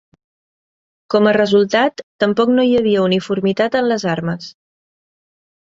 Com a resultat, tampoc no hi havia uniformitat en les armes.